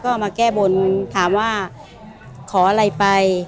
ก็มาแก้บนถามว่าขออะไรไป